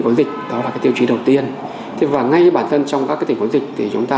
có dịch đó là cái tiêu chí đầu tiên thế và ngay bản thân trong các cái tỉnh có dịch thì chúng ta